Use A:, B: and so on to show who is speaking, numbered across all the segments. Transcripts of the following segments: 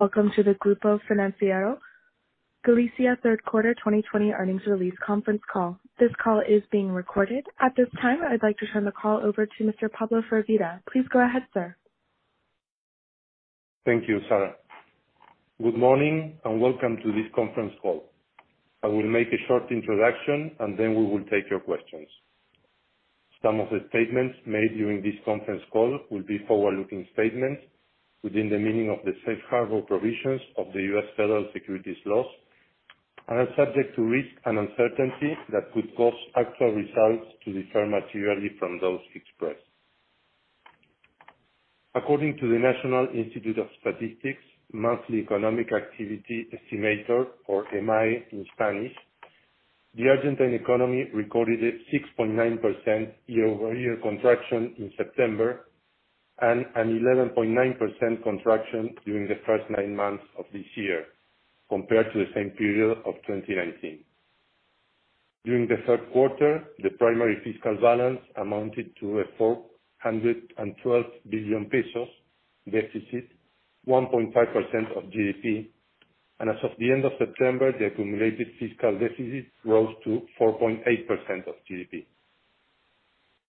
A: Welcome to the Grupo Financiero Galicia third quarter 2020 earnings release conference call. This call is being recorded. At this time, I'd like to turn the call over to Mr. Pablo Firvida. Please go ahead, sir.
B: Thank you, Sarah. Good morning, and welcome to this conference call. I will make a short introduction, and then we will take your questions. Some of the statements made during this conference call will be forward-looking statements within the meaning of the safe harbor provisions of the U.S. Federal Securities Laws and are subject to risks and uncertainties that could cause actual results to differ materially from those expressed. According to the National Institute of Statistics and Censuses monthly economic activity estimator, or EMAE in Spanish, the Argentine economy recorded a 6.9% year-over-year contraction in September, and an 11.9% contraction during the first nine months of this year compared to the same period of 2019. During the third quarter, the primary fiscal balance amounted to 412 billion pesos deficit, 1.5% of GDP, and as of the end of September, the accumulated fiscal deficit rose to 4.8% of GDP.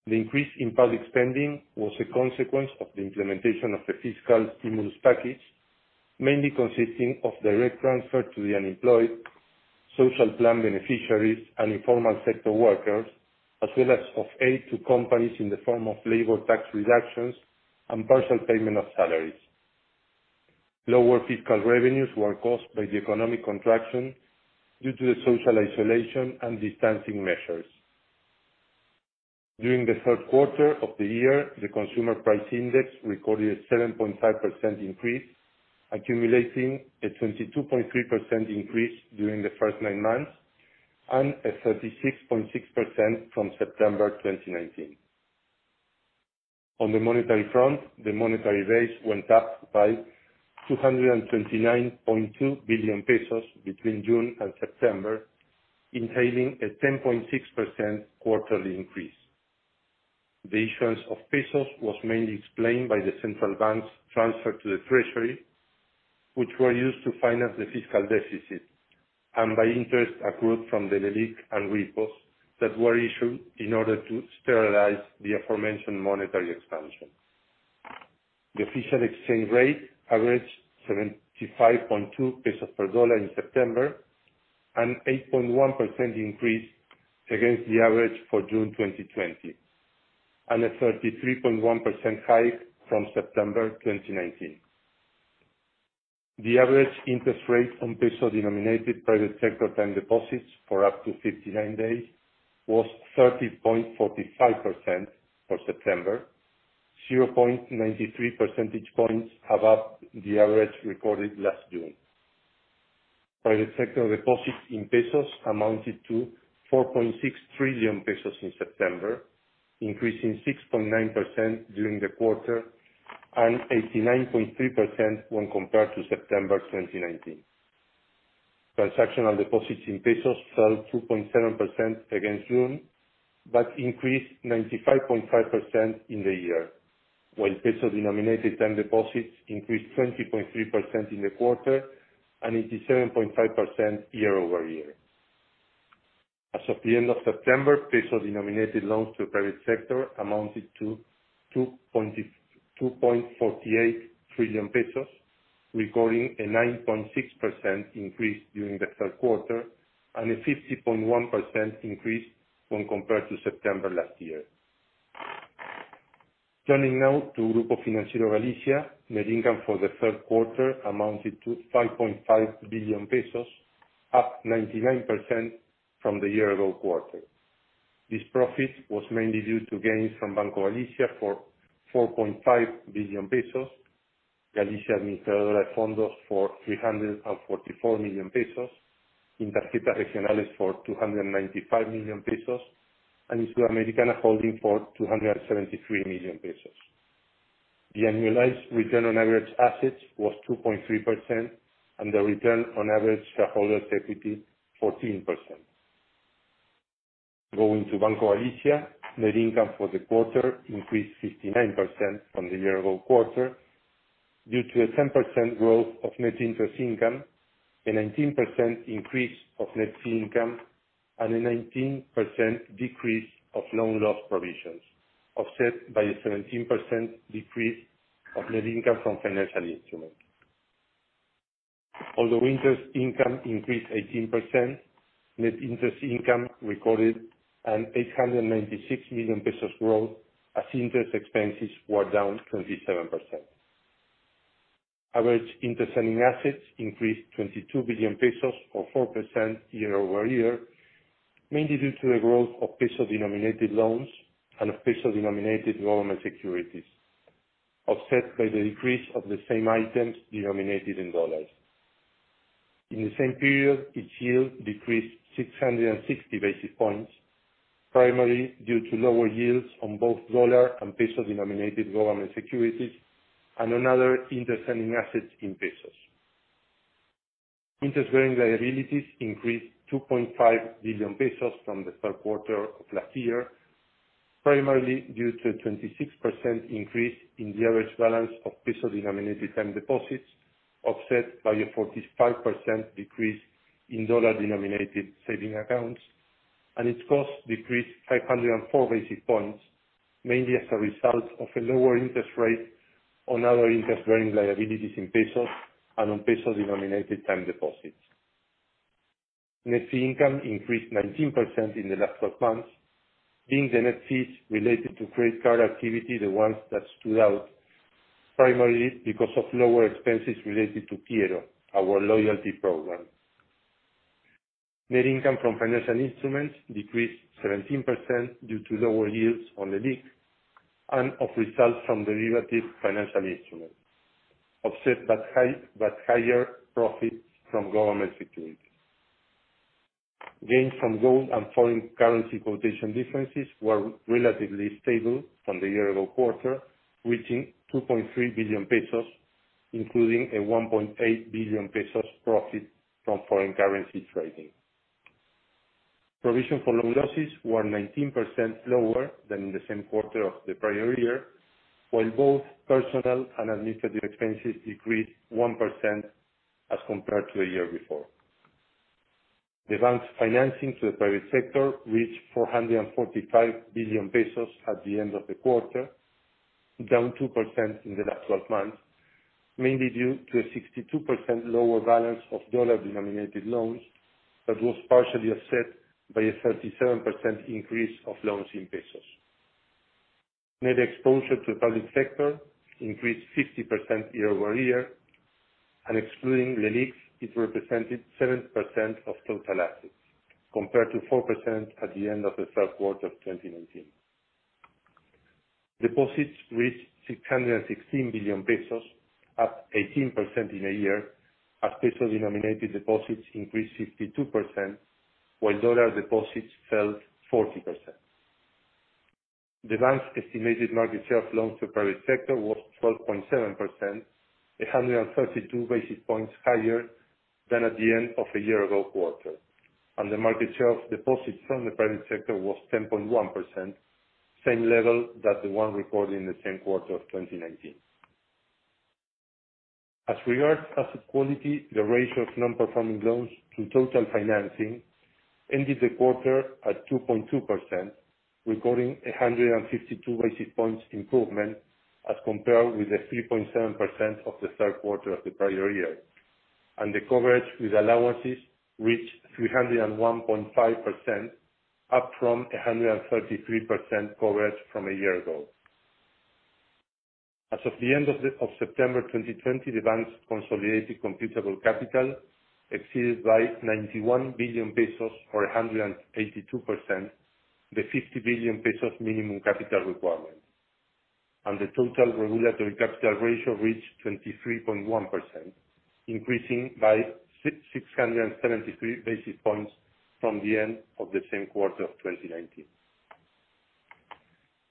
B: The increase in public spending was a consequence of the implementation of the fiscal stimulus package, mainly consisting of direct transfer to the unemployed, social plan beneficiaries, and informal sector workers, as well as of aid to companies in the form of labor tax reductions and partial payment of salaries. Lower fiscal revenues were caused by the economic contraction due to the social isolation and distancing measures. During the third quarter of the year, the consumer price index recorded a 7.5% increase, accumulating a 22.3% increase during the first nine months, and a 36.6% from September 2019. On the monetary front, the monetary base went up by 229.2 billion pesos between June and September, entailing a 10.6% quarterly increase. The issuance of ARS was mainly explained by the central bank's transfer to the treasury, which were used to finance the fiscal deficit, and by interest accrued from the Leliq and repos that were issued in order to sterilize the aforementioned monetary expansion. The official exchange rate averaged 75.2 pesos per dollar in September, an 8.1% increase against the average for June 2020, and a 33.1% hike from September 2019. The average interest rate on ARS-denominated private sector time deposits for up to 59 days was 30.45% for September, 0.93 percentage points above the average recorded last June. Private sector deposits in ARS amounted to 4.6 trillion pesos in September, increasing 6.9% during the quarter, and 89.3% when compared to September 2019. Transactional deposits in ARS fell 2.7% against June, but increased 95.5% in the year, while ARS-denominated time deposits increased 20.3% in the quarter and 87.5% year-over-year. As of the end of September, peso-denominated loans to the private sector amounted to 2.48 trillion pesos, recording a 9.6% increase during the third quarter, a 50.1% increase when compared to September last year. Turning now to Grupo Financiero Galicia, net income for the third quarter amounted to 5.5 billion pesos, up 99% from the year-ago quarter. This profit was mainly due to gains from Banco Galicia for 4.5 billion pesos, Galicia Administradora de Fondos for 344 million pesos, Tarjetas Regionales for 295 million pesos, and Sudamericana Holding for 273 million pesos. The annualized return on average assets was 2.3%, and the return on average shareholders' equity, 14%. Going to Banco Galicia, net income for the quarter increased 59% from the year-ago quarter due to a 10% growth of net interest income, a 19% increase of fee income, and a 19% decrease of loan loss provisions, offset by a 17% decrease of net income from financial instruments. Although interest income increased 18%, net interest income recorded an 896 million pesos growth as interest expenses were down 27%. Average interest earning assets increased 22 billion pesos or 4% year-over-year, mainly due to the growth of peso-denominated loans and peso-denominated government securities, offset by the decrease of the same items denominated in USD. In the same period, its yield decreased 660 basis points, primarily due to lower yields on both dollar and peso-denominated government securities and on other interest-earning assets in pesos. Interest-bearing liabilities increased 2.5 billion pesos from the third quarter of last year, primarily due to a 26% increase in the average balance of peso-denominated time deposits, offset by a 45% decrease in dollar-denominated saving accounts, and its costs decreased 504 basis points, mainly as a result of a lower interest rate on our interest-bearing liabilities in pesos and on peso-denominated time deposits. Net fee income increased 19% in the last 12 months, being the net fees related to credit card activity, the ones that stood out primarily because of lower expenses related to Quiero!, our loyalty program. Net income from financial instruments decreased 17% due to lower yields on the Leliq and of results from derivative financial instruments, offset by higher profits from government securities. Gains from gold and foreign currency quotation differences were relatively stable from the year-ago quarter, reaching 2.3 billion pesos, including an 1.8 billion pesos profit from foreign currency trading. Provision for loan losses were 19% lower than the same quarter of the prior year, while both personnel and administrative expenses decreased 1% as compared to a year before. The bank's financing to the private sector reached 445 billion pesos at the end of the quarter, down 2% in the last 12 months, mainly due to a 62% lower balance of dollar-denominated loans that was partially offset by a 37% increase of loans in pesos. Net exposure to the public sector increased 50% year-over-year, and excluding Leliqs, it represented 7% of total assets, compared to 4% at the end of the third quarter of 2019. Deposits reached 616 billion pesos, up 18% in a year, as peso-denominated deposits increased 52%, while USD deposits fell 40%. The bank's estimated market share of loans to the private sector was 12.7%, 132 basis points higher than at the end of the year-ago quarter, and the market share of deposits from the private sector was 10.1%, same level that the one recorded in the same quarter of 2019. As regards asset quality, the ratio of non-performing loans to total financing ended the quarter at 2.2%, recording 152 basis points improvement as compared with the 3.7% of the third quarter of the prior year. The coverage with allowances reached 301.5%, up from 133% coverage from a year ago. As of the end of September 2020, the bank's consolidated computable capital exceeded by 91 billion pesos, or 182%, the 50 billion pesos minimum capital requirement, and the total regulatory capital ratio reached 23.1%, increasing by 673 basis points from the end of the same quarter of 2019.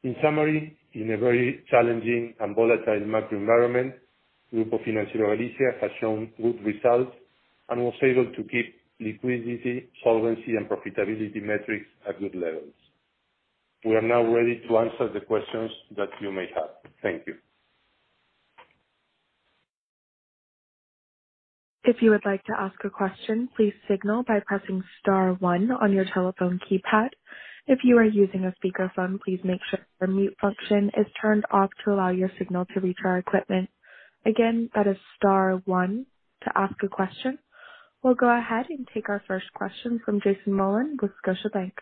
B: In summary, in a very challenging and volatile macro environment, Grupo Financiero Galicia has shown good results and was able to keep liquidity, solvency, and profitability metrics at good levels. We are now ready to answer the questions that you may have. Thank you.
A: We'll go ahead and take our first question from Jason Mollin with Scotiabank.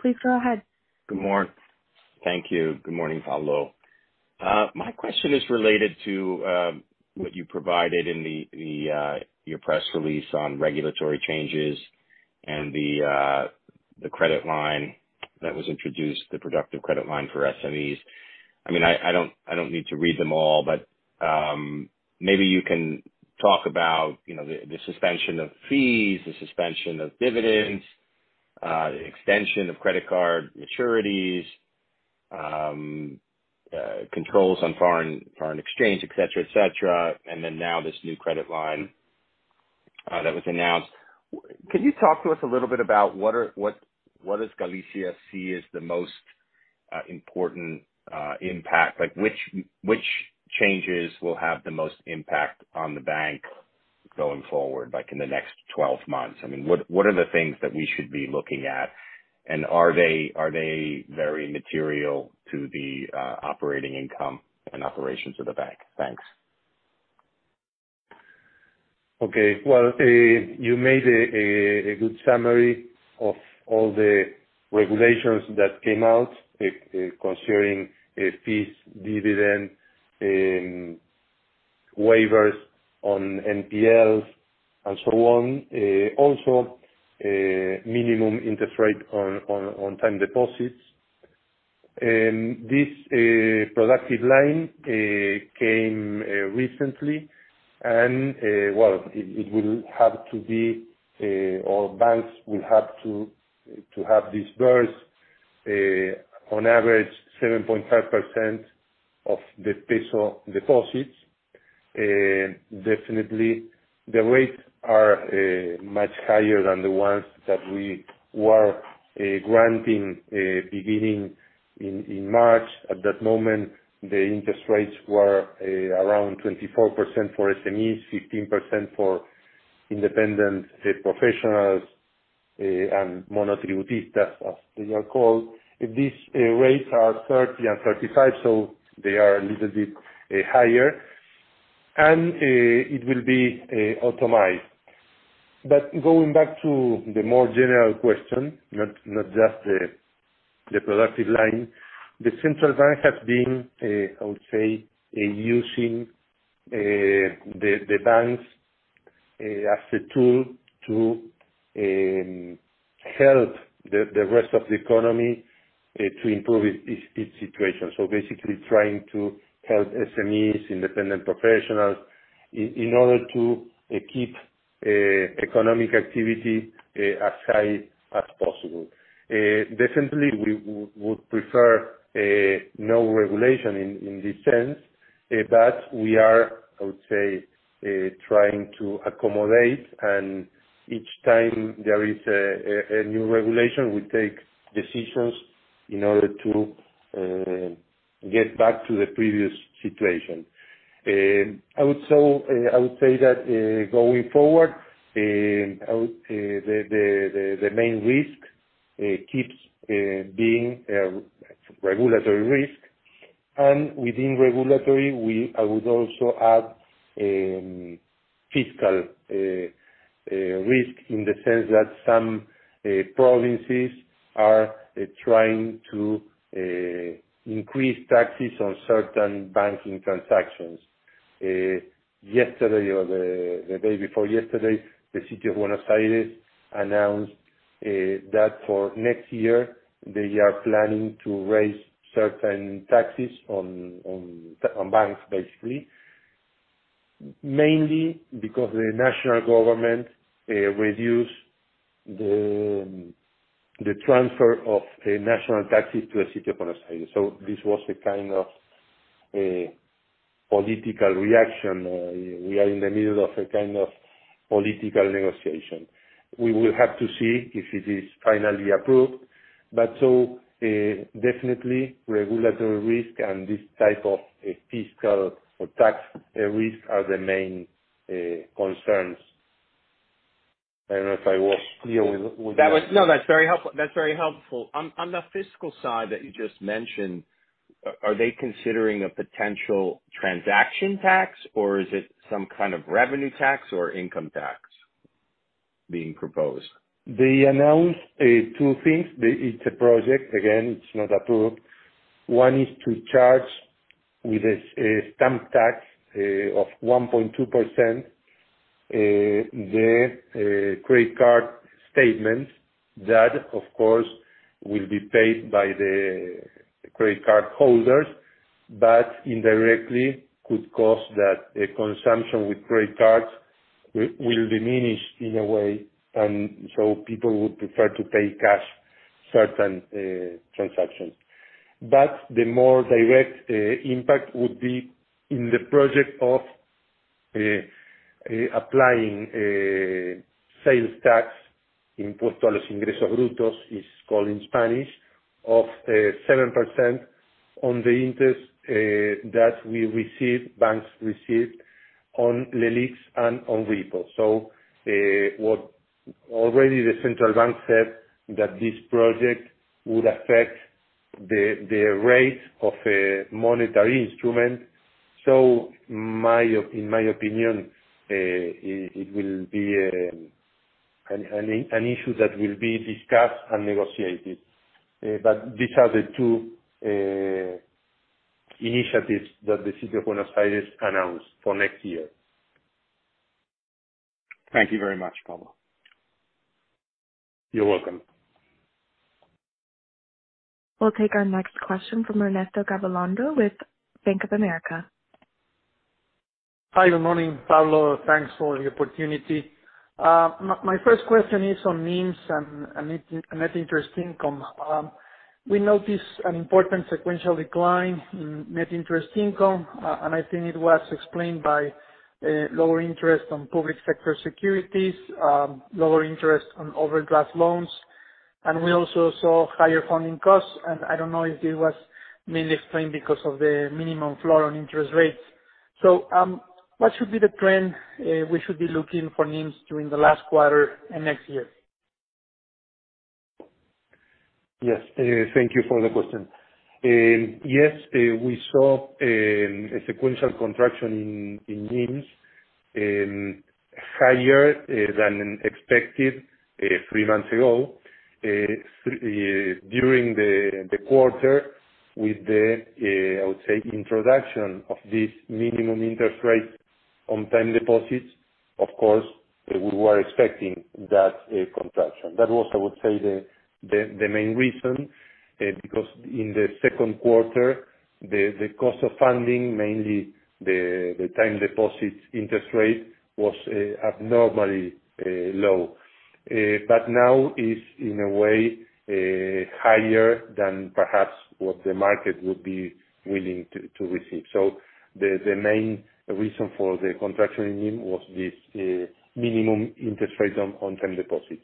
A: Please go ahead.
C: Good morning. Thank you. Good morning, Pablo. My question is related to what you provided in your press release on regulatory changes and the credit line that was introduced, the productive credit line for SMEs. I don't need to read them all, maybe you can talk about the suspension of fees, the suspension of dividends, the extension of credit card maturities, controls on foreign exchange, et cetera. Then now this new credit line that was announced. Can you talk to us a little bit about what does Galicia see as the most important impact? Which changes will have the most impact on the bank going forward in the next 12 months? What are the things that we should be looking at, and are they very material to the operating income and operations of the bank? Thanks.
B: Okay. You made a good summary of all the regulations that came out concerning fees, dividend, waivers on NPLs, and so on. Minimum interest rate on time deposits. This productive line came recently. All banks will have to have disbursed on average 7.5% of the peso deposits. The rates are much higher than the ones that we were granting beginning in March. At that moment, the interest rates were around 24% for SMEs, 15% for independent professionals, and monotributista, as they are called. These rates are 30 and 35. They are a little bit higher. It will be automated. Going back to the more general question, not just the productive line. The central bank has been, I would say, using the banks as a tool to help the rest of the economy to improve its situation. Basically trying to help SMEs, independent professionals, in order to keep economic activity as high as possible. Definitely, we would prefer no regulation in this sense, but we are, I would say, trying to accommodate, and each time there is a new regulation, we take decisions in order to get back to the previous situation. I would say that, going forward, the main risk keeps being a regulatory risk, and within regulatory, I would also add fiscal risk in the sense that some provinces are trying to increase taxes on certain banking transactions. Yesterday or the day before yesterday, the city of Buenos Aires announced that for next year they are planning to raise certain taxes on banks, basically. Mainly because the national government reduced the transfer of national taxes to the city of Buenos Aires. This was a kind of political reaction. We are in the middle of a kind of political negotiation. We will have to see if it is finally approved. Definitely regulatory risk and this type of fiscal or tax risk are the main concerns. I don't know if I was clear with that.
C: No, that's very helpful. On the fiscal side that you just mentioned, are they considering a potential transaction tax, or is it some kind of revenue tax or income tax being proposed?
B: They announced two things. It's a project. Again, it's not approved. One is to charge with a stamp tax of 1.2%, the credit card statements that, of course, will be paid by the credit card holders, but indirectly could cause that the consumption with credit cards will diminish in a way, people would prefer to pay cash, certain transactions. The more direct impact would be in the project of applying a sales tax, impuesto a los ingresos brutos, it's called in Spanish, of 7% on the interest that banks receive on Leliq and on repo. Already the central bank said that this project would affect the rates of monetary instruments. In my opinion, it will be an issue that will be discussed and negotiated. These are the two initiatives that the city of Buenos Aires announced for next year.
C: Thank you very much, Pablo.
B: You're welcome.
A: We'll take our next question from Ernesto Gabilondo with Bank of America.
D: Hi, good morning, Pablo. Thanks for the opportunity. My first question is on NIMs and net interest income. We noticed an important sequential decline in net interest income, and I think it was explained by lower interest on public sector securities, lower interest on overdraft loans, and we also saw higher funding costs, and I don't know if it was mainly explained because of the minimum floor on interest rates. What should be the trend we should be looking for NIMs during the last quarter and next year?
B: Yes. Thank you for the question. Yes, we saw a sequential contraction in NIMs, higher than expected three months ago. During the quarter with the, I would say, introduction of this minimum interest rate on time deposits, of course, we were expecting that contraction. That was, I would say, the main reason, because in the second quarter, the cost of funding, mainly the time deposits interest rate, was abnormally low. Now it's, in a way, higher than perhaps what the market would be willing to receive. The main reason for the contraction in NIM was this minimum interest rate on time deposit.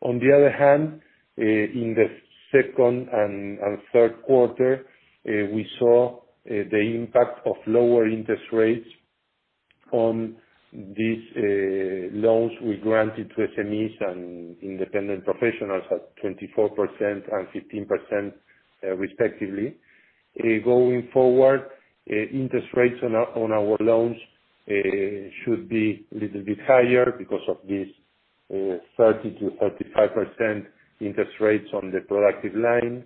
B: On the other hand, in the second and third quarter, we saw the impact of lower interest rates on these loans we granted to SMEs and independent professionals at 24% and 15%, respectively. Going forward, interest rates on our loans should be a little bit higher because of this 30%-35% interest rates on the productive line.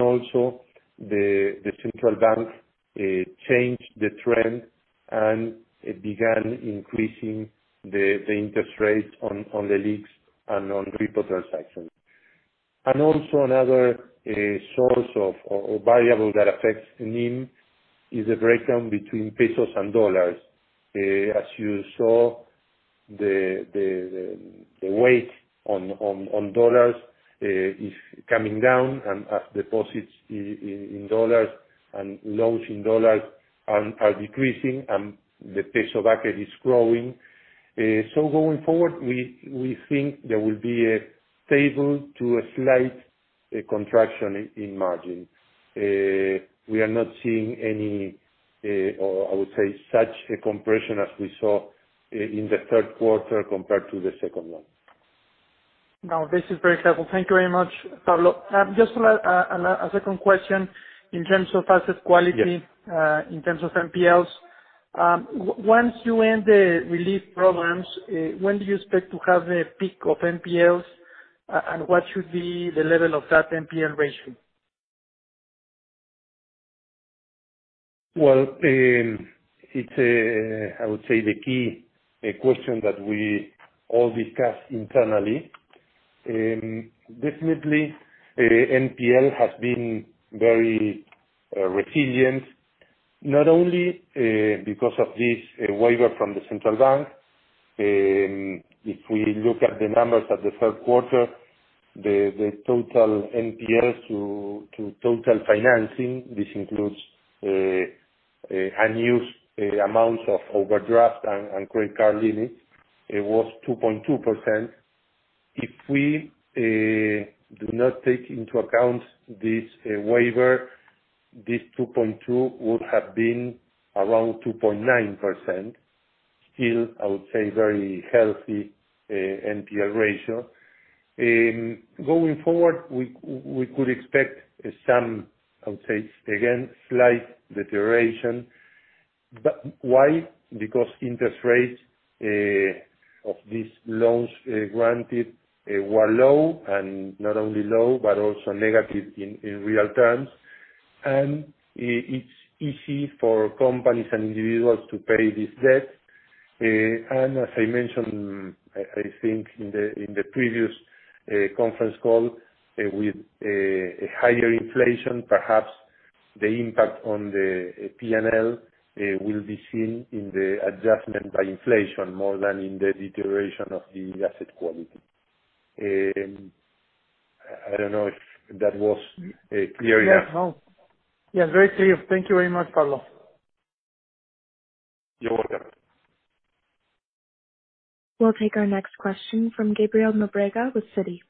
B: Also, the central bank changed the trend, and it began increasing the interest rates on the Leliqs and on repo transactions. Also, another source of or variable that affects NIM is the breakdown between pesos and dollars. As you saw, the weight on dollars is coming down and as deposits in dollars and loans in dollars are decreasing and the peso bracket is growing. Going forward, we think there will be a stable to a slight contraction in margin. We are not seeing any, or I would say, such a compression as we saw in the third quarter compared to the second quarter.
D: No, this is very helpful. Thank you very much, Pablo. Just a second question. In terms of asset quality-
B: Yes
D: in terms of NPLs, once you end the relief programs, when do you expect to have a peak of NPLs, and what should be the level of that NPL ratio?
B: Well, it's, I would say, the key question that we all discuss internally. Definitely, NPL has been very resilient, not only because of this waiver from the central bank. If we look at the numbers at the third quarter, the total NPLs to total financing, this includes unused amounts of overdraft and credit card limits. It was 2.2%. If we do not take into account this waiver, this 2.2% would have been around 2.9%. Still, I would say, very healthy NPL ratio. Going forward, we could expect some, I would say, again, slight deterioration. Why? Because interest rates of these loans granted were low, and not only low but also negative in real terms. It's easy for companies and individuals to pay this debt. As I mentioned, I think, in the previous conference call, with higher inflation, perhaps the impact on the P&L will be seen in the adjustment by inflation more than in the deterioration of the asset quality. I don't know if that was clear enough.
D: Yes. Very clear. Thank you very much, Pablo.
B: You're welcome.
A: We'll take our next question from Gabriel Nóbrega with Citi.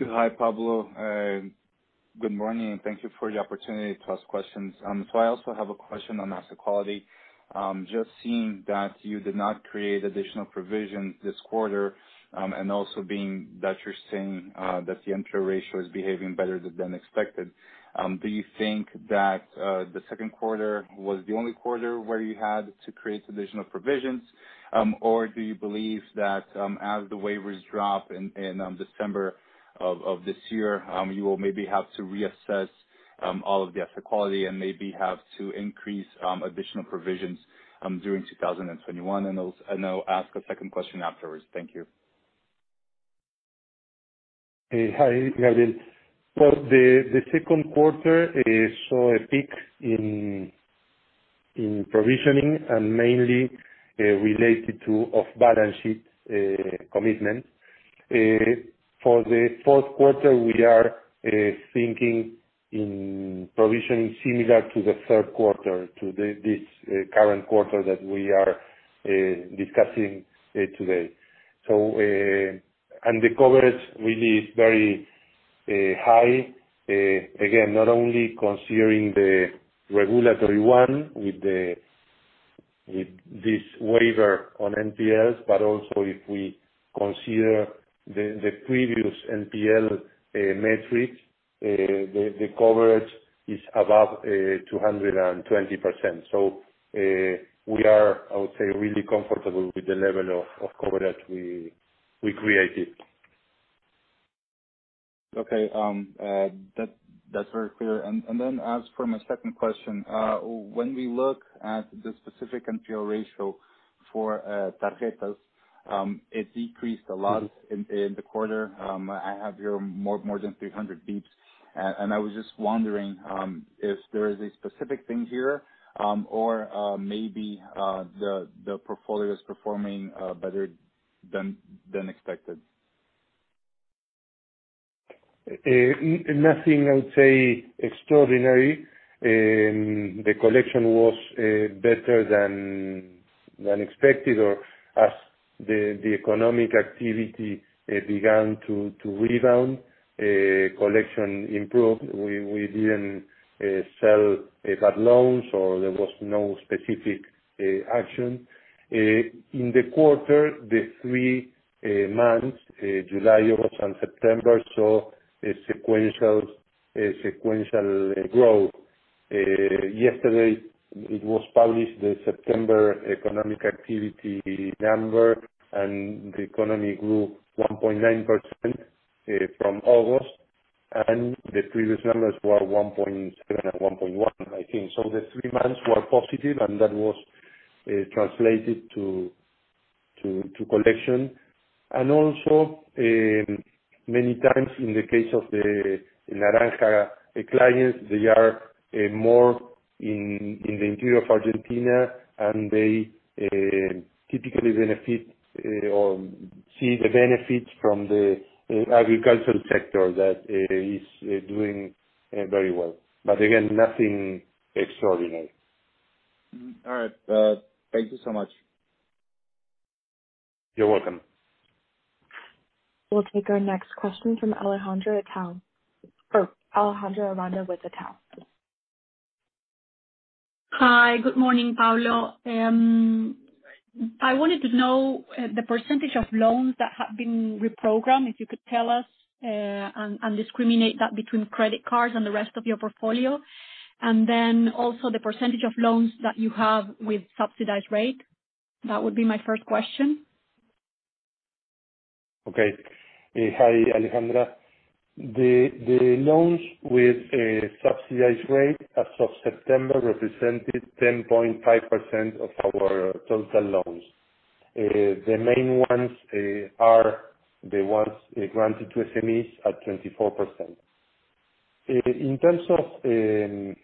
E: Hi, Pablo. Good morning. Thank you for the opportunity to ask questions. I also have a question on asset quality. Just seeing that you did not create additional provisions this quarter, also being that you're saying that the NPL ratio is behaving better than expected, do you think that the second quarter was the only quarter where you had to create additional provisions? Do you believe that as the waivers drop in December of this year, you will maybe have to reassess all of the asset quality and maybe have to increase additional provisions during 2021? I'll ask a second question afterwards. Thank you.
B: Hi, Gabriel. For the second quarter, saw a peak in provisioning and mainly related to off-balance sheet commitment. For the fourth quarter, we are thinking in provisioning similar to the third quarter, to this current quarter that we are discussing today. The coverage really is very high, again, not only considering the regulatory one with this waiver on NPLs, but also if we consider the previous NPL metric, the coverage is above 220%. We are, I would say, really comfortable with the level of coverage we created.
E: Okay. That's very clear. As for my second question, when we look at the specific NPL ratio for Tarjetas. It decreased a lot in the quarter. I have here more than 300 basis points. I was just wondering if there is a specific thing here, or maybe the portfolio is performing better than expected.
B: Nothing, I would say, extraordinary. The collection was better than expected, or as the economic activity began to rebound, collection improved. We didn't sell bad loans, or there was no specific action. In the quarter, the three months, July, August, and September, saw a sequential growth. Yesterday, it was published, the September economic activity number, and the economy grew 1.9% from August, and the previous numbers were 1.7% and 1.1%, I think. The three months were positive, and that was translated to collection. Also, many times in the case of the Naranja clients, they are more in the interior of Argentina, and they typically benefit or see the benefits from the agricultural sector that is doing very well. Again, nothing extraordinary.
E: All right. Thank you so much.
B: You're welcome.
A: We'll take our next question from Alejandra at Itaú, or Alejandra Aranda with the Itaú.
F: Hi. Good morning, Pablo. I wanted to know the percentage of loans that have been reprogrammed, if you could tell us, and discriminate that between credit cards and the rest of your portfolio. Also the percentage of loans that you have with subsidized rate. That would be my first question.
B: Okay. Hi, Alejandra. The loans with a subsidized rate as of September represented 10.5% of our total loans. The main ones are the ones granted to SMEs at 24%. In terms of the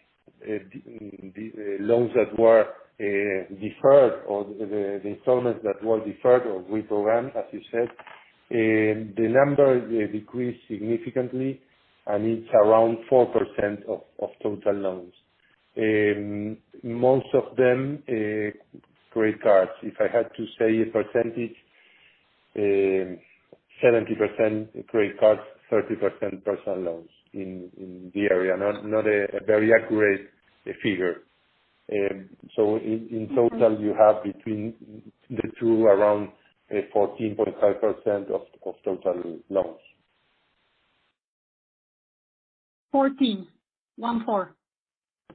B: loans that were deferred or the installments that were deferred or reprogrammed, as you said, the number decreased significantly, and it's around 4% of total loans. Most of them, credit cards. If I had to say a percentage, 70% credit cards, 30% personal loans in the area. Not a very accurate figure. In total, you have between the two, around 14.5% of total loans.
F: 14? One four.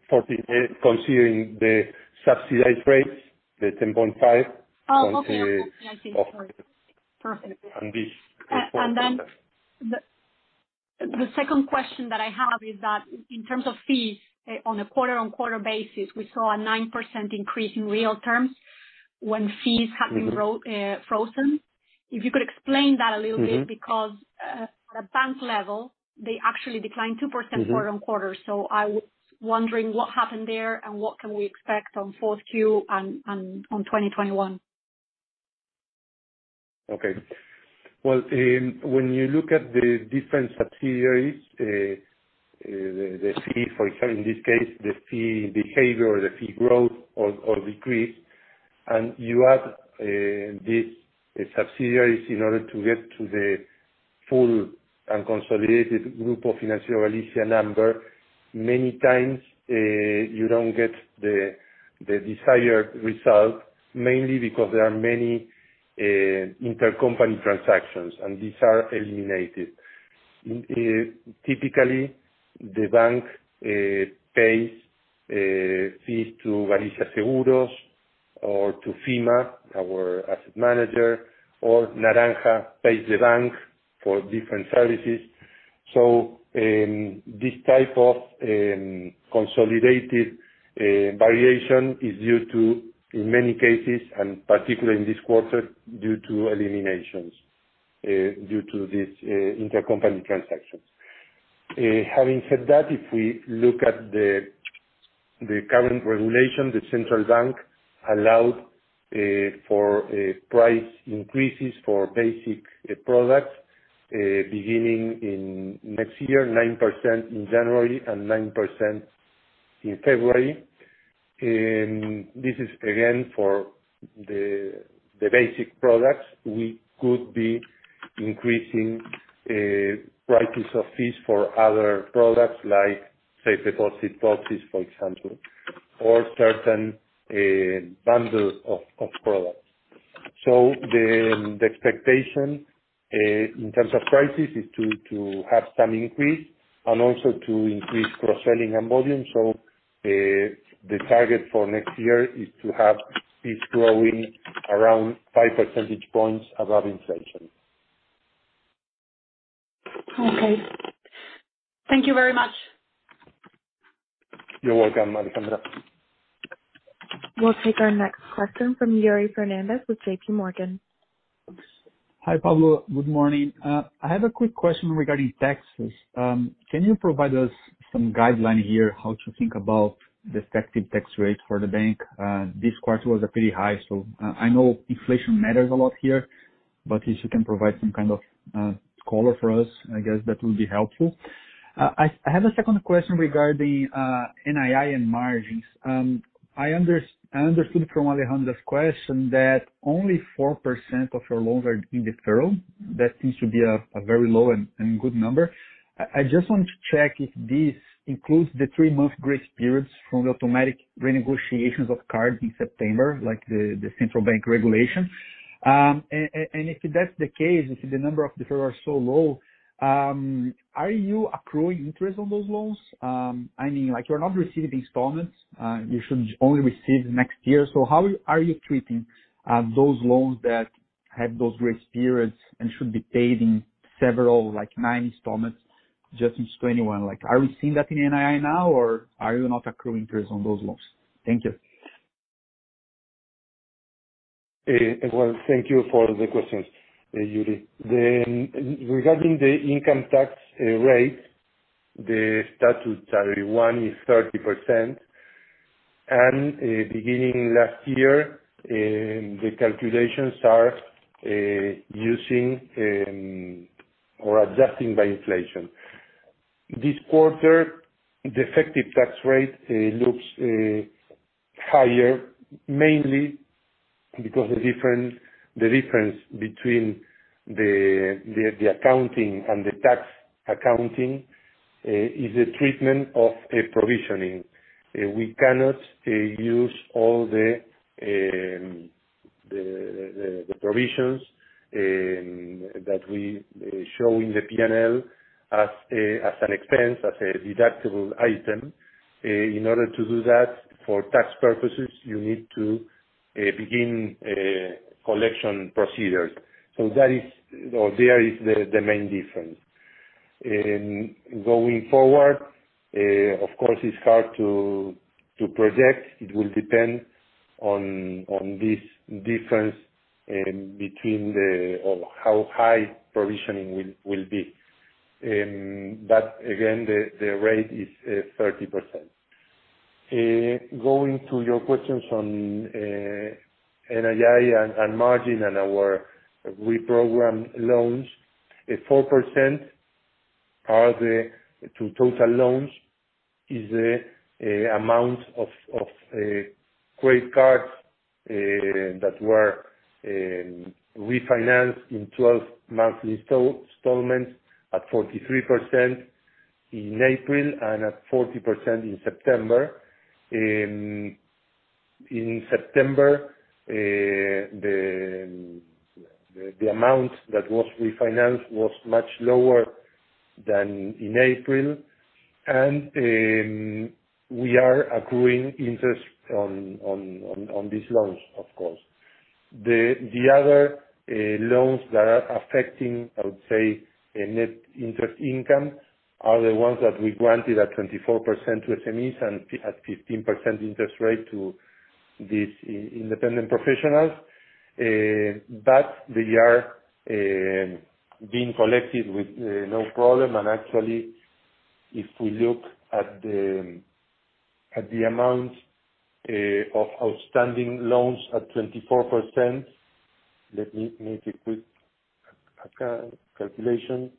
B: 14. Considering the subsidized rates, the 10.5.
F: Oh, okay. I see. Sorry. Perfect.
B: This is 14%.
F: The second question that I have is that in terms of fees, on a quarter-on-quarter basis, we saw a 9% increase in real terms when fees have been frozen. If you could explain that a little bit? At a bank level, they actually declined 2% quarter-on-quarter. I was wondering what happened there, and what can we expect on fourth quarter on 2021?
B: Okay. Well, when you look at the different subsidiaries, the fee, for example, in this case, the fee behavior or the fee growth or decrease, and you add these subsidiaries in order to get to the full unconsolidated Grupo Financiero Galicia number, many times, you don't get the desired result, mainly because there are many intercompany transactions, and these are eliminated. Typically, the bank pays fees to Galicia Seguros or to Fima, our asset manager, or Naranja pays the bank for different services. This type of consolidated variation is due to, in many cases, and particularly in this quarter, due to eliminations, due to these intercompany transactions. Having said that, if we look at the current regulation, the central bank allowed for price increases for basic products, beginning in next year, 9% in January and 9% in February. This is again for the basic products. We could be increasing prices of fees for other products like safe deposit boxes, for example, or certain bundles of products. The expectation, in terms of prices, is to have some increase and also to increase cross-selling and volume. The target for next year is to have fees growing around five percentage points above inflation.
F: Okay. Thank you very much.
B: You're welcome, Alejandra.
A: We'll take our next question from Yuri Fernandes with JPMorgan.
G: Hi, Pablo. Good morning. I have a quick question regarding taxes. Can you provide us some guideline here how to think about the effective tax rate for the bank? This quarter was pretty high, so I know inflation matters a lot here, but if you can provide some kind of color for us, I guess that will be helpful. I have a second question regarding NII and margins. I understood from Alejandra's question that only 4% of your loans are in deferral. That seems to be a very low and good number. I just want to check if this includes the three-month grace periods from the automatic renegotiations of cards in September, like the central bank regulation. If that's the case, if the number of deferrals are so low, are you accruing interest on those loans? I mean, you're not receiving installments. You should only receive next year. How are you treating those loans that have those grace periods and should be paid in several, like nine installments, just in 2021? Are we seeing that in NII now, or are you not accruing interest on those loans? Thank you.
B: Well, thank you for the questions, Yuri. Regarding the income tax rate, the statutory one is 30%, and beginning last year, the calculations are using or adjusting by inflation. This quarter, the effective tax rate looks higher mainly because the difference between the accounting and the tax accounting is a treatment of a provisioning. We cannot use all the provisions that we show in the P&L as an expense, as a deductible item. In order to do that, for tax purposes, you need to begin collection procedures. There is the main difference. In going forward, of course, it's hard to project. It will depend on this difference between how high provisioning will be. Again, the rate is 30%. Going to your questions on NII and margin and our reprogrammed loans, 4% are the two total loans is the amount of credit cards that were refinanced in 12 monthly installments at 43% in April and at 40% in September. In September, the amount that was refinanced was much lower than in April, and we are accruing interest on these loans, of course. The other loans that are affecting, I would say, a net interest income are the ones that we granted at 24% to SMEs and at 15% interest rate to these independent professionals. They are being collected with no problem, and actually, if we look at the amount of outstanding loans at 24%, let me make a quick calculation.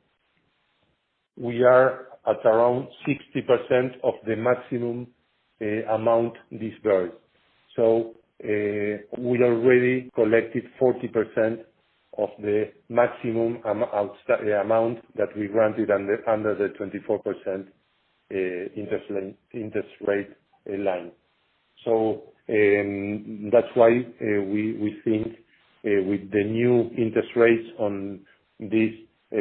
B: We are at around 60% of the maximum amount dispersed. We already collected 40% of the maximum amount that we granted under the 24% interest rate line. That's why we think with the new interest rates on this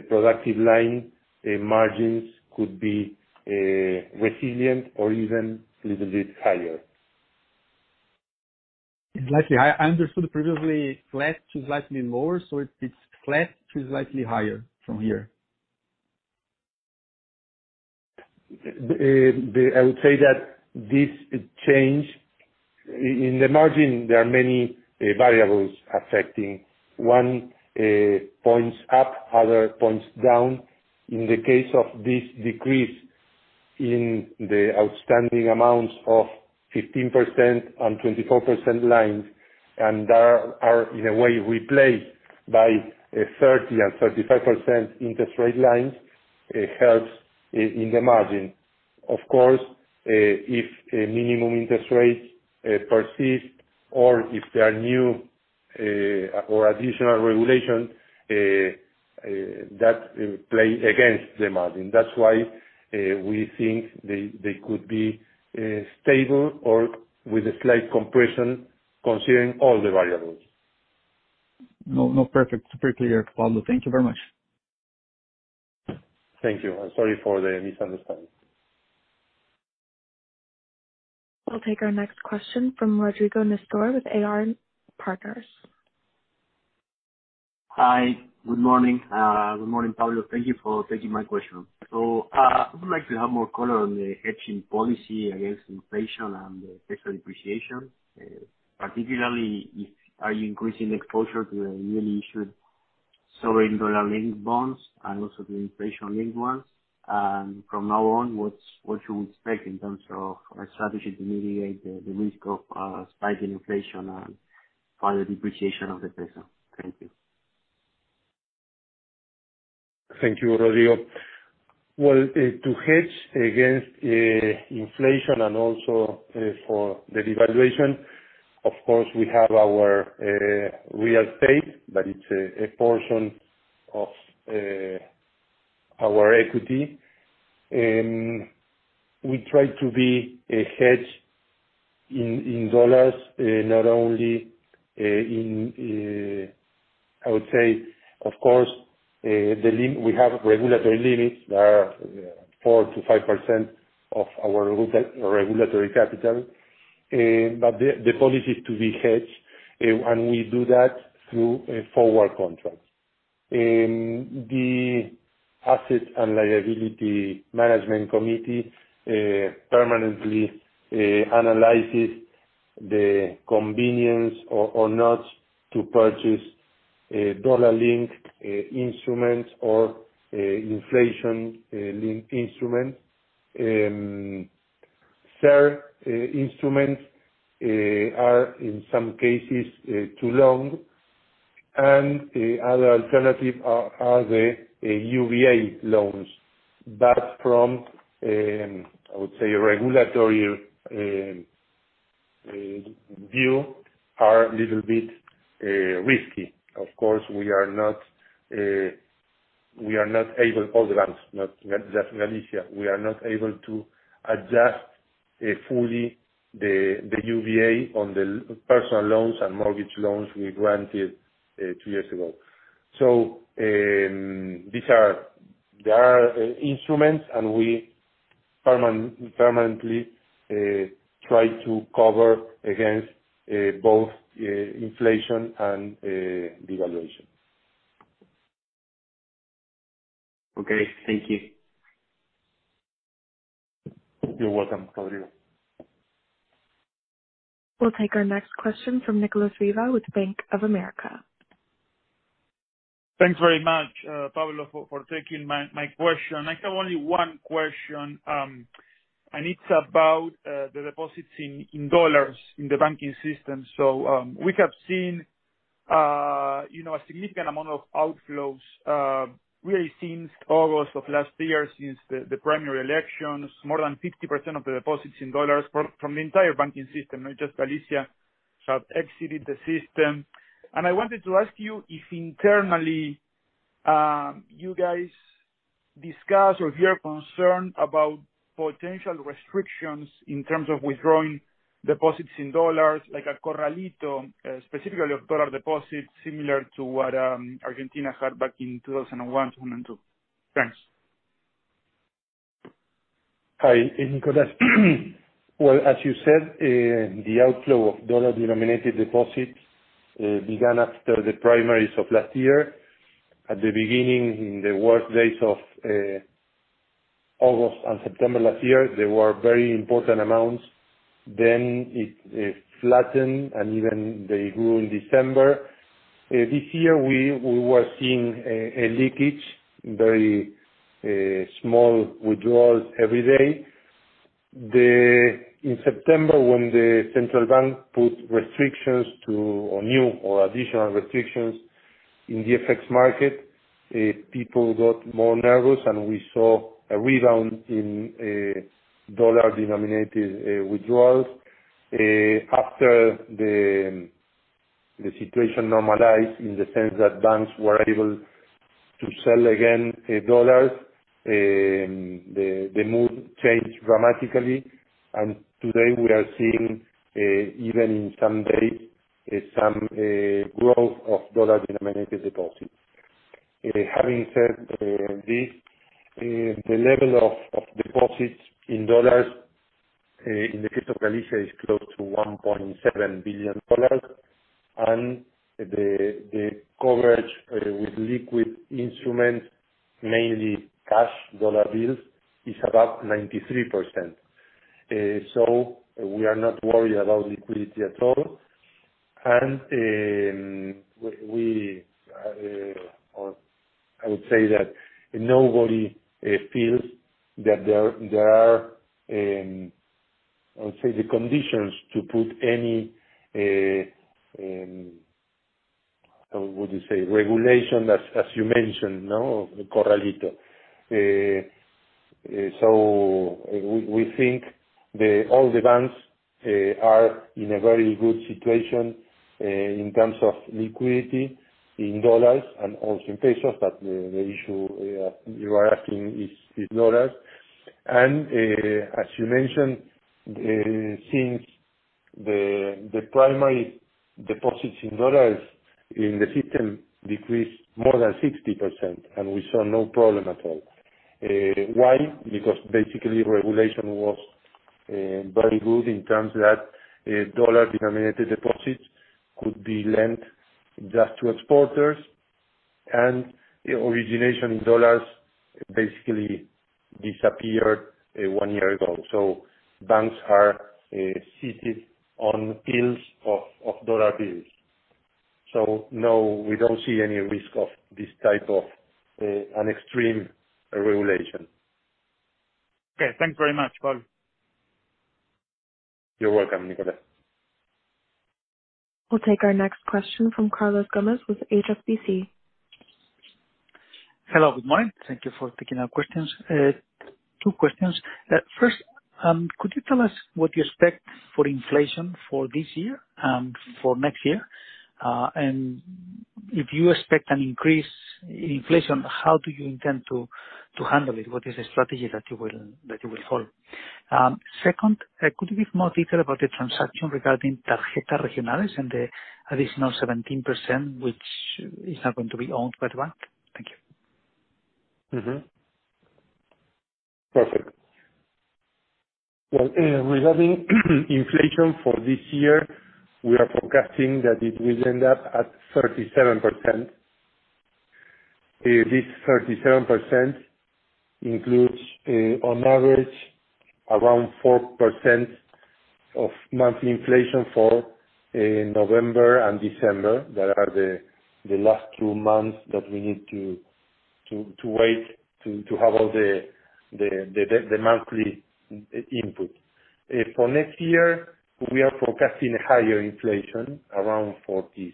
B: productive line, margins could be resilient or even a little bit higher.
G: Exactly. I understood previously, flat to slightly lower. It's flat to slightly higher from here.
B: In the margin, there are many variables affecting, one points up, other points down. In the case of this decrease in the outstanding amounts of 15% and 24% lines, and are in a way replaced by 30% and 35% interest rate lines, it helps in the margin. Of course, if minimum interest rates persist or if there are new or additional regulations, that play against the margin. That's why we think they could be stable or with a slight compression considering all the variables.
G: No, perfect. Super clear, Pablo. Thank you very much.
B: Thank you. I'm sorry for the misunderstanding.
A: We'll take our next question from Rodrigo Nistor with AR Partners.
H: Hi, good morning. Good morning, Pablo. Thank you for taking my question. I would like to have more color on the hedging policy against inflation and peso depreciation. Particularly, are you increasing exposure to the newly issued sovereign dollar-linked bonds and also the inflation-linked ones? From now on, what you would expect in terms of a strategy to mitigate the risk of a spike in inflation and further depreciation of the peso. Thank you.
B: Thank you, Rodrigo. Well, to hedge against inflation and also for the devaluation, of course, we have our real estate, but it's a portion of our equity, and we try to be a hedge in dollars, not only in I would say, of course, we have regulatory limits that are 4%-5% of our regulatory capital. The policy is to be hedged, and we do that through a forward contract. The Assets and Liability Management Committee permanently analyzes the convenience or not to purchase dollar-linked instruments or inflation-linked instruments. CER instruments are, in some cases, too long, and the other alternative are the UVA loans, but from, I would say, a regulatory view are a little bit risky. Of course, we are not able, all the banks, not just Galicia, we are not able to adjust fully the UVA on the personal loans and mortgage loans we granted two years ago. There are instruments, and we permanently try to cover against both inflation and devaluation.
H: Okay. Thank you.
B: You're welcome, Rodrigo.
A: We'll take our next question from Nicolas Riva with Bank of America.
I: Thanks very much, Pablo, for taking my question. I have only one question, and it's about the deposits in dollars in the banking system. We have seen a significant amount of outflows, really since August of last year, since the primary elections. More than 50% of the deposits in dollars from the entire banking system, not just Galicia, have exited the system. I wanted to ask you if internally, you guys discuss or if you are concerned about potential restrictions in terms of withdrawing deposits in dollars, like a corralito, specifically of dollar deposits, similar to what Argentina had back in 2001, 2002. Thanks.
B: Hi, Nicolas. As you said, the outflow of dollar-denominated deposits began after the primaries of last year. At the beginning, in the worse days of August and September last year, there were very important amounts. It flattened, and even they grew in December. This year, we were seeing a leakage, very small withdrawals every day. In September, when the central bank put restrictions to, or new or additional restrictions in the FX market, people got more nervous, and we saw a rebound in dollar-denominated withdrawals. After the situation normalized in the sense that banks were able to sell again dollars, the mood changed dramatically, and today we are seeing, even in some days, some growth of dollar-denominated deposits. Having said this, the level of deposits in dollars, in the case of Galicia, is close to $1.7 billion, and the coverage with liquid instruments, mainly cash dollar bills, is about 93%. We are not worried about liquidity at all. I would say that nobody feels that there are, I would say, the conditions to put any, how would you say, regulation as you mentioned, the corralito. We think that all the banks are in a very good situation in terms of liquidity in dollars and also in pesos, but the issue you are asking is dollars. As you mentioned, since the primary deposits in dollars in the system decreased more than 60%, and we saw no problem at all. Why? Basically, regulation was very good in terms that dollar-denominated deposits could be lent just to exporters, and the origination in dollars basically disappeared one year ago. Banks are seated on hills of dollar bills. No, we don't see any risk of this type of an extreme regulation.
I: Okay. Thank you very much, Pablo.
B: You're welcome, Nicolas.
A: We'll take our next question from Carlos Gomez-Lopez with HSBC.
J: Hello. Good morning. Thank you for taking our questions. Two questions. First, could you tell us what you expect for inflation for this year and for next year? If you expect an increase in inflation, how do you intend to handle it? What is the strategy that you will follow? Second, could you give more detail about the transaction regarding Tarjetas Regionales and the additional 17%, which is now going to be owned by the bank? Thank you.
B: Perfect. Well, regarding inflation for this year, we are forecasting that it will end up at 37%. This 37% includes, on average, around 4% of monthly inflation for November and December. There are the last two months that we need to wait to have all the monthly input. For next year, we are forecasting higher inflation, around 47%.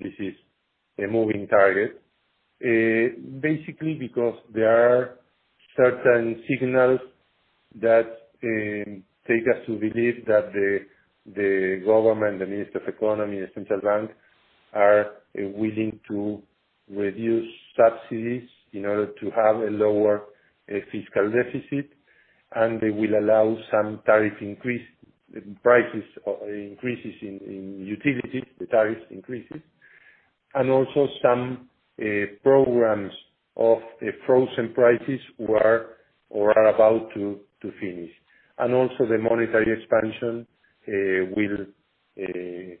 B: This is a moving target. Because there are certain signals that take us to believe that the government, the minister of economy, the central bank, are willing to reduce subsidies in order to have a lower fiscal deficit, and they will allow some tariff increase, prices increases in utilities, the tariffs increases, and also some programs of frozen prices were or are about to finish. The monetary expansion will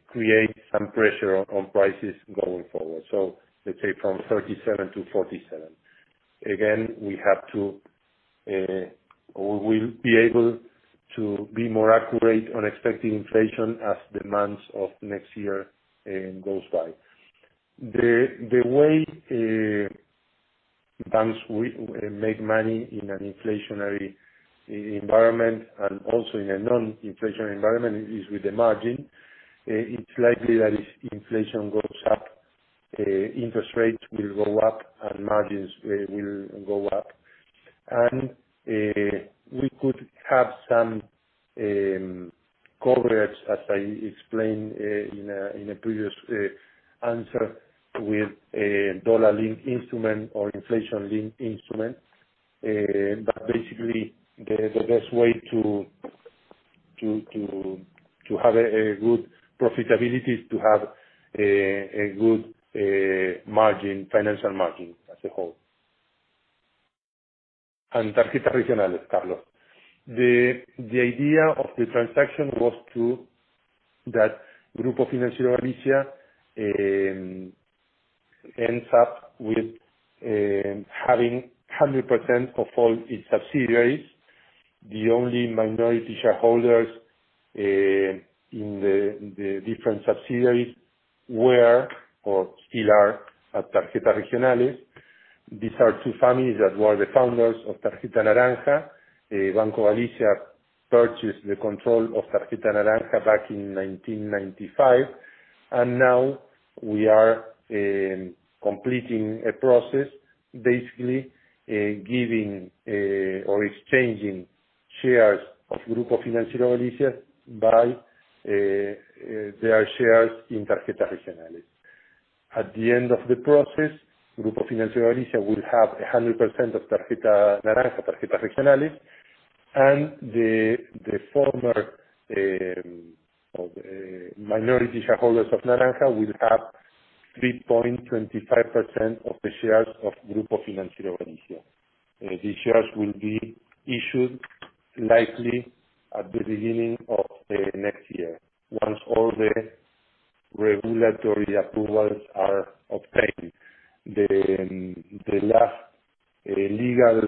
B: create some pressure on prices going forward. Let's say from 37%-47%. We will be able to be more accurate on expecting inflation as demands of next year goes by. The way banks make money in an inflationary environment and also in a non-inflationary environment is with the margin. It's likely that if inflation goes up, interest rates will go up, and margins will go up. We could have some coverage, as I explained in a previous answer, with a dollar-linked instrument or inflation-linked instrument. Basically, the best way to have a good profitability is to have a good financial margin as a whole. Tarjetas Regionales, Carlos. The idea of the transaction was that Grupo Financiero Galicia ends up with having 100% of all its subsidiaries. The only minority shareholders in the different subsidiaries were or still are at Tarjetas Regionales. These are two families that were the founders of Tarjeta Naranja. Banco Galicia purchased the control of Tarjeta Naranja back in 1995. Now we are completing a process, basically, giving or exchanging shares of Grupo Financiero Galicia by their shares in Tarjetas Regionales. At the end of the process, Grupo Financiero Galicia will have 100% of Tarjeta Naranja, Tarjetas Regionales. The former minority shareholders of Naranja will have 3.25% of the shares of Grupo Financiero Galicia. These shares will be issued likely at the beginning of next year, once all the regulatory approvals are obtained. The last legal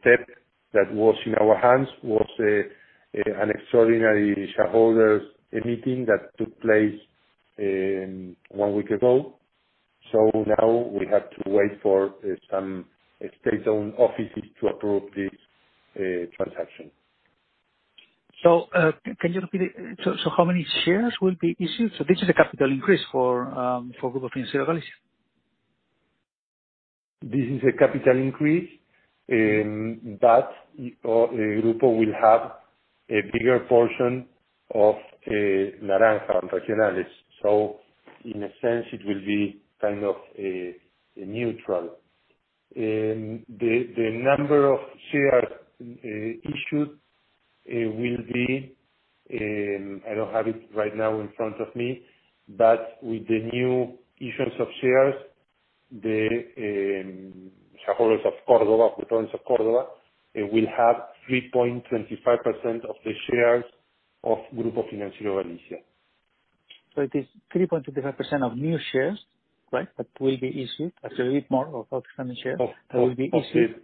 B: step that was in our hands was an extraordinary shareholders meeting that took place one week ago. Now we have to wait for some state-owned offices to approve this transaction.
J: Can you repeat it? How many shares will be issued? This is a capital increase for Grupo Financiero Galicia.
B: This is a capital increase. Grupo will have a bigger portion of Naranja and Regionales. In a sense, it will be kind of a neutral. The number of shares issued will be, I don't have it right now in front of me, but with the new issuance of shares, the shareholders of Córdoba, province of Córdoba, will have 3.25% of the shares of Grupo Financiero Galicia.
J: It is 3.25% of new shares, right, that will be issued as a bit more of outstanding shares that will be issued.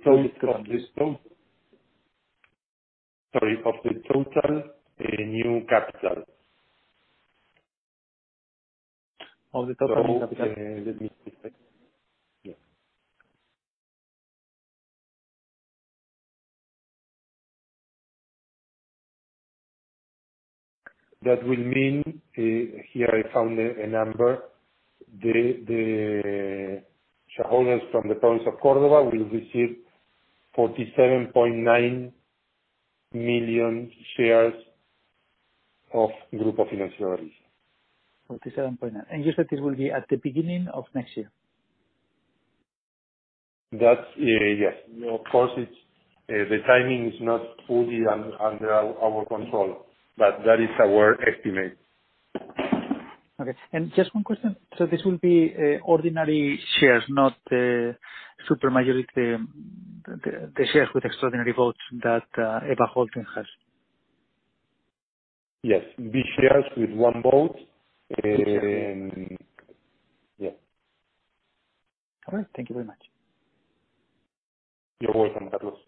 B: Of the total new capital.
J: Of the total new capital.
B: Let me just check. Yeah. That will mean, here I found a number. The shareholders from the province of Córdoba will receive 47.9 million shares of Grupo Financiero Galicia.
J: 47.9. You said this will be at the beginning of next year.
B: Yes. Of course, the timing is not fully under our control. That is our estimate.
J: Okay. Just one question. This will be ordinary shares, not the super majority, the shares with extraordinary votes that EBA Holding has.
B: Yes. B shares with one vote. Yeah.
J: All right. Thank you very much.
B: You're welcome, Carlos.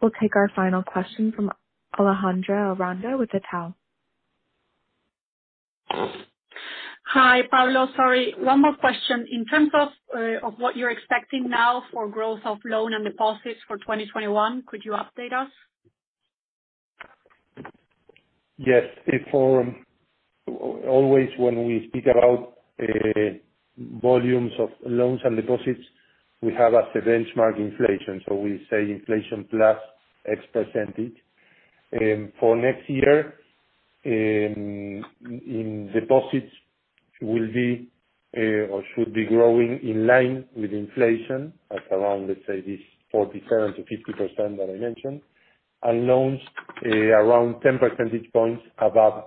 A: We'll take our final question from Alejandra Aranda with Itaú.
F: Hi, Pablo. Sorry, one more question. In terms of what you're expecting now for growth of loan and deposits for 2021, could you update us?
B: Yes. Always when we speak about volumes of loans and deposits, we have as a benchmark inflation. We say inflation plus X%. For next year, in deposits will be, or should be growing in line with inflation at around, let's say, this 47%-50% that I mentioned, and loans, around 10 percentage points above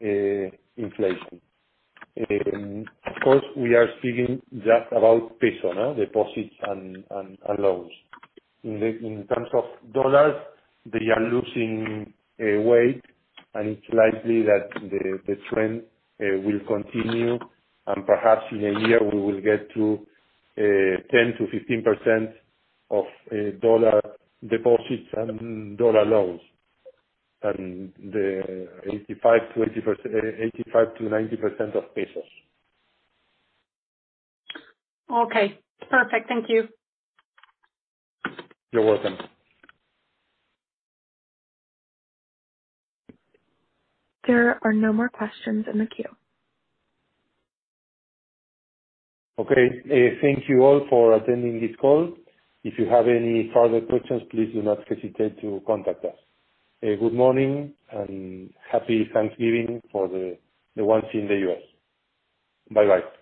B: inflation. Of course, we are speaking just about peso deposits and loans. In terms of dollars, they are losing weight and it's likely that the trend will continue and perhaps in a year we will get to 10%-15% of dollar deposits and dollar loans, and the 85%-90% of pesos.
F: Okay. Perfect. Thank you.
B: You're welcome.
A: There are no more questions in the queue.
B: Okay. Thank you all for attending this call. If you have any further questions, please do not hesitate to contact us. Good morning, and happy Thanksgiving for the ones in the U.S. Bye-bye.